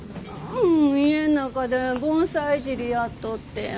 うん家ん中で盆栽いじりやっとってや。